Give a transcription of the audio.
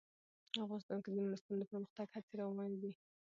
افغانستان کې د نورستان د پرمختګ هڅې روانې دي.